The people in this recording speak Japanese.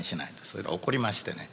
それで怒りましてね